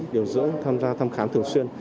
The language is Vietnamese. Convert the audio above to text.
điều dưỡng tham gia thăm khám thường xuyên